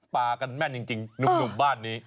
ปากันแม่นจริงหนุ่มบ้านนี้